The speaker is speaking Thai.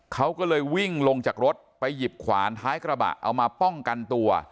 เขาก็เลยวิ่งลงจากรถไปหยิบขวานท้ายกระบะเอามาป้องกันตัว